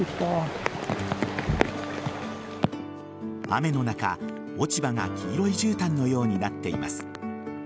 雨の中、落ち葉が黄色いじゅうたんのようになっています。